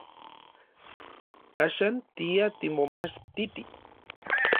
Axan tia timomachtiti.